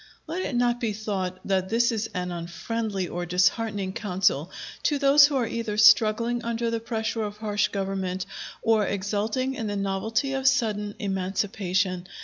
Let it not be thought that this is an unfriendly or disheartening counsel to those who are either struggling under the pressure of harsh government, or exulting in the novelty of sudden emancipation.